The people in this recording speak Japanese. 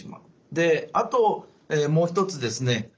であともう一つですね